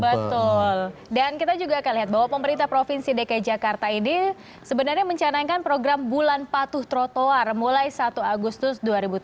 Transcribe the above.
betul dan kita juga akan lihat bahwa pemerintah provinsi dki jakarta ini sebenarnya mencanangkan program bulan patuh trotoar mulai satu agustus dua ribu tujuh belas